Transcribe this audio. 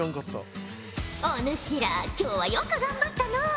お主ら今日はよく頑張ったのう。